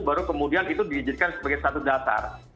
baru kemudian itu dijadikan sebagai satu dasar